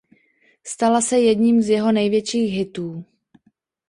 Stala se jedním z jeho největších hitů.